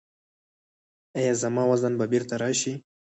ایا زما وزن به بیرته راشي؟